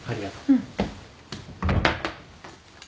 うん。